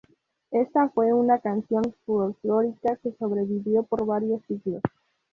Esta fue una canción folclórica que sobrevivió por varios siglos.